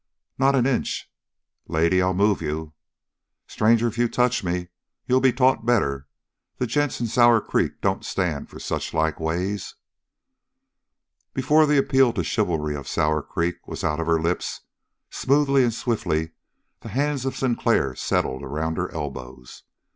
"Not an inch!" "Lady, I'll move you." "Stranger, if you touch me, you'll be taught better. The gents in Sour Creek don't stand for suchlike ways!" Before the appeal to the chivalry of Sour Creek was out of her lips, smoothly and swiftly the hands of Sinclair settled around her elbows.